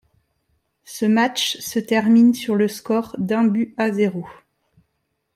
Ce match se termine sur le score d'un but à zéro.